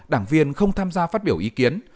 đảng viên không tham gia phát biểu ý kiến